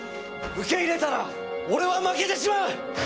受け入れたら俺は負けてしまう！